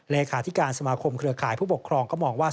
เลขาธิการสมาคมเครือข่ายผู้ปกครองก็มองว่า